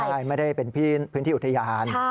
ใช่ไม่ได้เป็นพื้นที่อุทยาน